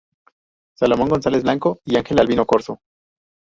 Salomón González Blanco y Ángel Albino Corzo.